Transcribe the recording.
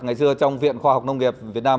ngày xưa trong viện khoa học nông nghiệp việt nam